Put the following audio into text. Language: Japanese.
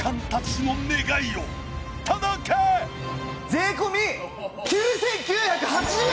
税込９９８０円で！